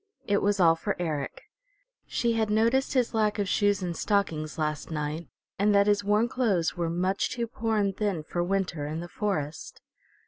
It was all for Eric. She had noticed his lack of shoes and stockings last night, and that his worn clothes were much too poor and thin for winter in the forest.